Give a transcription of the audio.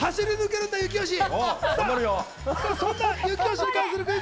そんな征悦に関するクイズ。